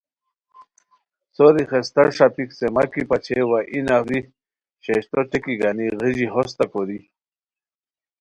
سوری خیستہ ݰاپیک څیماکی پاچئے وا ای نفری شیشتو ٹیکی گانی غیژی ہوستہ کوری